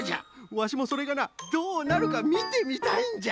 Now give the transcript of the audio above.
ワシもそれがなどうなるかみてみたいんじゃ。